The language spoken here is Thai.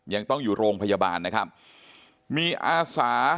ยังต้องอยู่โรงพยาบาลนะครับมีอาสา